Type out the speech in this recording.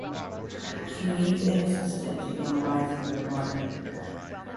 She needs an assistant to analyze the market.